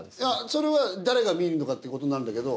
それは誰が見るのかっていうことになるんだけど